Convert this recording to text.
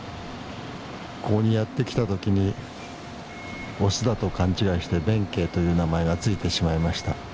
ここにやって来た時にオスだと勘違いしてべんけいという名前が付いてしまいました。